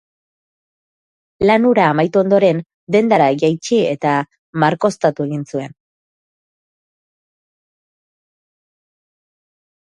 Lan hura amaitu ondoren, dendara jaitsi eta markoztatu egin zuen.